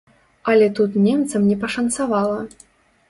Але тут немцам не пашанцавала.